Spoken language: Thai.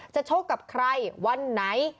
โชคกับใครวันไหน